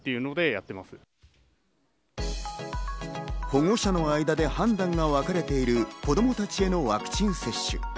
保護者の間で判断が分かれている子供たちへのワクチン接種。